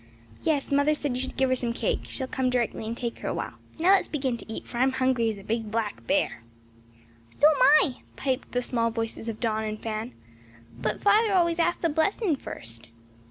"Yes; mother said you should give her some cake; and she'll come directly and take her awhile. Now let's begin to eat, for I'm as hungry as a big black bear." "So am I," piped the small voices of Don and Fan. "But father always asks a blessing first."